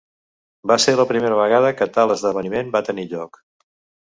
Va ser la primera vegada que tal esdeveniment va tenir lloc.